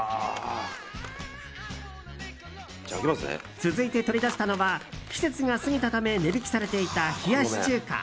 続いて取り出したのは季節が過ぎたため値引きされていた冷やし中華。